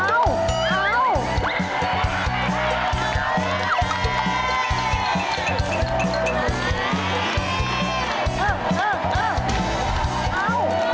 เอา